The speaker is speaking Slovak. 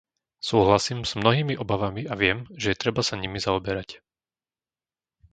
Súhlasím s mnohými obavami a viem, že je treba sa nimi zaoberať.